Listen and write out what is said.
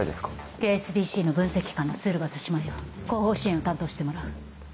ＫＳＢＣの分析官の駿河と志摩よ後方支援を担当してもらう。